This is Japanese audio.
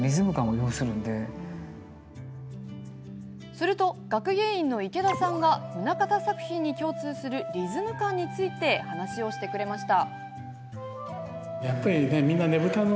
すると学芸員の池田さんが棟方作品に共通するリズム感について話をしてくれました。